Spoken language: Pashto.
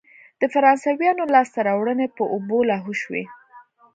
د فرانسویانو لاسته راوړنې په اوبو لاهو شوې.